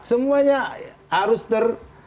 semuanya harus ter